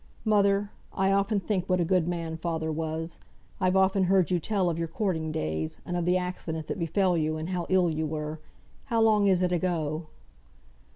"Mother! I often think what a good man father was! I've often heard you tell of your courting days; and of the accident that befell you, and how ill you were. How long is it ago?"